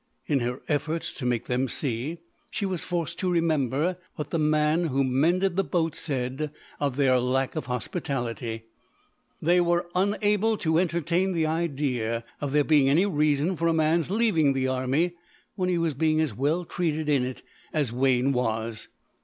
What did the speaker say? In her efforts to make them see, she was forced to remember what the man who mended the boats said of their lack of hospitality. They were unable to entertain the idea of there being any reason for a man's leaving the army when he was being as well treated in it as Wayne was.